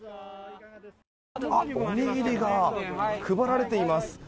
おにぎりが配られています。